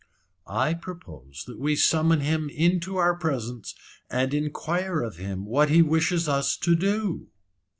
"I propose that we summon him into our presence, and inquire of him what he wishes us to do."